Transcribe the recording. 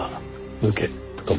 抜け」とも。